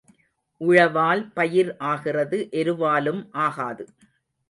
உழவால் பயிர் ஆகிறது எருவாலும் ஆகாது.